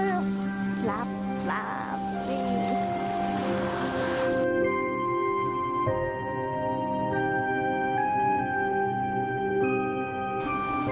เดี๋ยวเอากล้วยมาให้